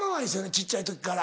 小っちゃい時から。